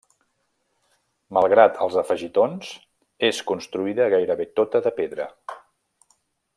Malgrat els afegitons, és construïda gairebé tota de pedra.